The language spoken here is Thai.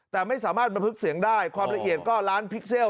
แต่ไม่สามารถบันทึกเสียงได้ความละเอียดก็ล้านพิกเซล